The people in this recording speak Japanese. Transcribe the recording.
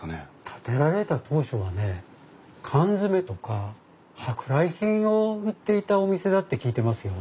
建てられた当初はね缶詰とか舶来品を売っていたお店だって聞いてますよ。